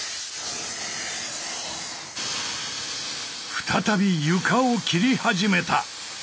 再び床を切り始めた。